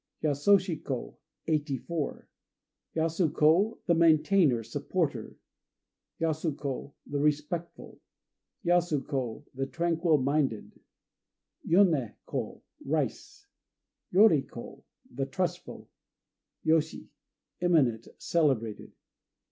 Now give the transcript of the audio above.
Yasoshi ko "Eighty four." Yasu ko "The Maintainer," supporter. Yasu ko "The Respectful." Yasu ko "The Tranquil Minded." Yoné ko "Rice." Yori ko "The Trustful." Yoshi "Eminent," celebrated.